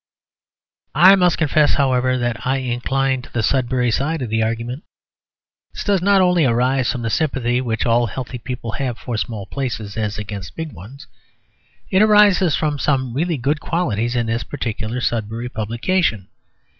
I must confess, however, that I incline to the Sudbury side of the argument. This does not only arise from the sympathy which all healthy people have for small places as against big ones; it arises from some really good qualities in this particular Sudbury publication.